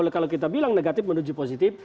kalau kita bilang negatif menuju positif